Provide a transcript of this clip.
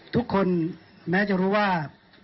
ทุกคนแม้จะรู้ว่า